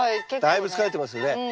だいぶ疲れてますよね。